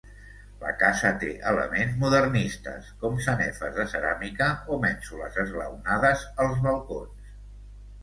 La casa té elements modernistes, com sanefes de ceràmica o mènsules esglaonades als balcons.